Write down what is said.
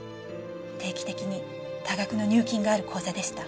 定期的に多額の入金がある口座でした。